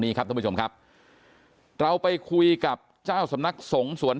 นี้ครับท่านผู้ผู้ผู้ผู้ผู้ครับเราไปคุยกับเจ้าสำนักสงฆ์สวรรค์